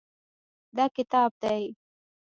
دا کتاب دی.